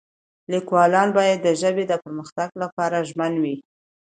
لیکوالان باید د ژبې د پرمختګ لپاره ژمن وي.